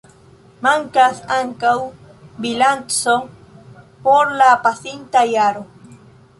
Mankas ankaŭ bilanco por la pasinta jaro.